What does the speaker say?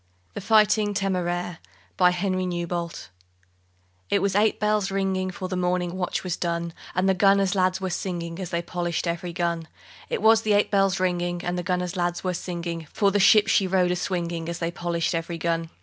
THE FIGHTING TÉMÉRAIRE It was eight bells ringing, For the morning watch was done, And the gunner's lads were singing, As they polished every gun. It was eight bells ringing, And the gunner's lads were singing For the ship she rode a swinging, As they polished every gun.